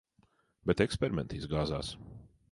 Bet eksperimenti izgāzās.